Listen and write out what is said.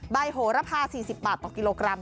โหระพา๔๐บาทต่อกิโลกรัม